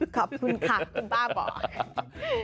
ขอบคุณค่ะคุณป้าบอก